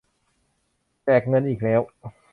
แจกเงินอีกแล้ว